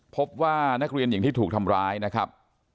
พบว่านักเรียนหญิงที่ถูกทำร้ายนะครับ